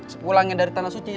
sepulangnya dari tanah suci